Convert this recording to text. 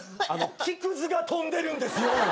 木くずが飛んでるんですよ。